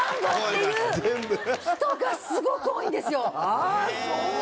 あそう！